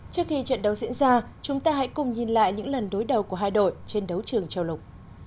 trước khi trận đấu diễn ra chúng ta hãy cùng nhìn lại những lần đối đầu của hai đội trên đấu trường châu lục